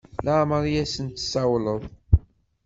Laɛmeṛ i asen-tessawleḍ?